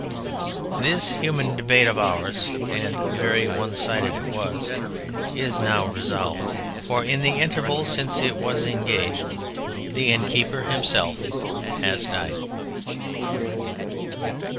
This human debate of ours (and very one sided it was!) is now resolved, for in the interval since it was engaged the innkeeper himself has died.